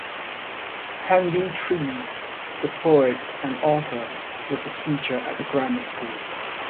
Henry Treece, the poet and author, was a teacher at the grammar school.